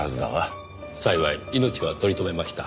幸い命は取り留めました。